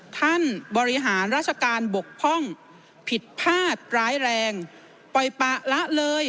ท่านประธานบริหารราชการบกพร่องผิดพลาดร้ายแรงปล่อยปะละเลย